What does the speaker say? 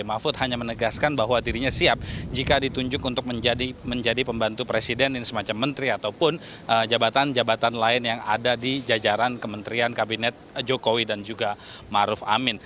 mahfud hanya menegaskan bahwa dirinya siap jika ditunjuk untuk menjadi pembantu presiden dan semacam menteri ataupun jabatan jabatan lain yang ada di jajaran kementerian kabinet jokowi dan juga maruf amin